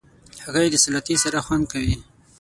هګۍ د سلاتې سره خوند کوي.